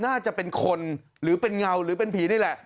น่าจะเป็นคนหรือเป็นเงาหรือเป็นผีนี่แหละ